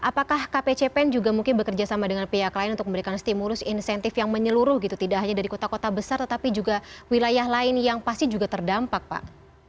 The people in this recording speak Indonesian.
apakah kpcpen juga mungkin bekerja sama dengan pihak lain untuk memberikan stimulus insentif yang menyeluruh gitu tidak hanya dari kota kota besar tetapi juga wilayah lain yang pasti juga terdampak pak